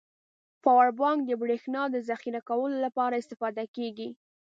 پاور بانک د بريښنا د زخيره کولو لپاره استفاده کیږی.